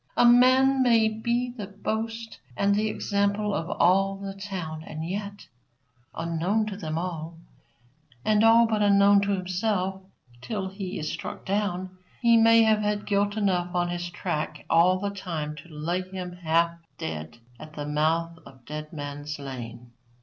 A man may be the boast and the example of all the town, and yet, unknown to them all, and all but unknown to himself till he is struck down, he may have had guilt enough on his track all the time to lay him half dead at the mouth of Dead Man's lane.